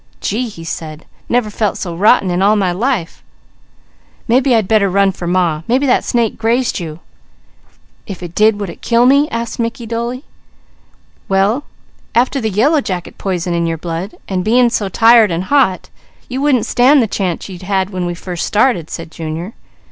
"Gee!" he said. "Never felt so rotten in all my life." "Maybe that snake grazed you." "If it did, would it kill me?" asked Mickey dully. "Well after the yellow jacket poison in your blood, and being so tired and hot, you wouldn't stand the chance you'd had when we first started," said Junior.